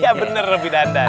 iya bener lebih dandan